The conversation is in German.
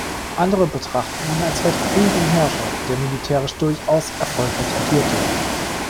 Andere betrachten ihn als recht fähigen Herrscher, der militärisch durchaus erfolgreich agierte.